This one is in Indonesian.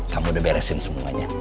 kamu udah beresin semuanya